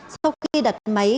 sau khi đặt máy